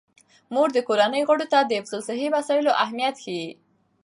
مور د کورنۍ غړو ته د حفظ الصحې وسایلو اهمیت ښيي.